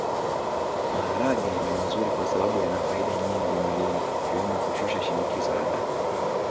Maharage ni mazuri kwasababu yana faida nyingi mwilini ikiwemo kushusha shinikizo la damu